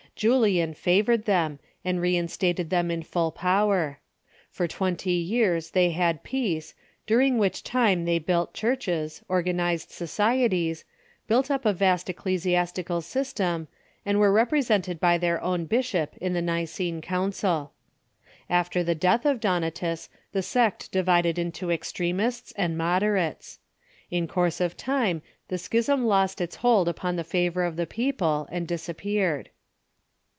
Julian favored them, and reinstated them in full pow er. For tw'enty years they had peace, during which time they 56 THE EAELY CHURCH built churches, organized societies, built up a vast ecclesias tical system, and were represented by their own bishop in the Nicene council. After the death of Donatus the sect di vided into extremists and moderates. In course of time the schism lost its hold upon the favor of the people, and disap peared.